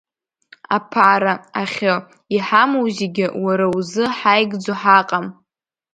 Аԥара, ахьы, иҳамоу зегьы уара узы ҳаигӡо ҳаҟам!